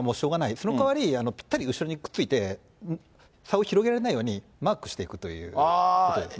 その代わり、ぴったり後ろにくっついて差を広げられないようにマークしていくということですね。